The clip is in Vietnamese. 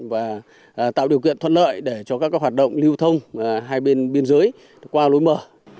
và tạo điều kiện thuận lợi để cho các hoạt động lưu thông hai bên biên giới qua lối mở